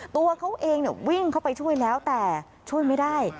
ตัวเขาเองวิ่งเข้าไปช่วยแล้วแต่ช่วยไม่ได้